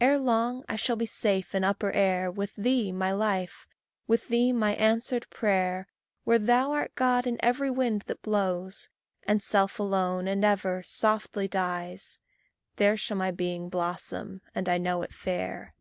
Ere long I shall be safe in upper air, With thee, my life with thee, my answered prayer Where thou art God in every wind that blows, And self alone, and ever, softly dies, There shall my being blossom, and I know it fair.